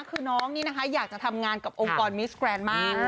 คือน้องนี่นะคะอยากจะทำงานกับองค์กรมิสแกรนด์มาก